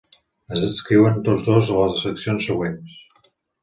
Es descriuen tots dos a les seccions següents.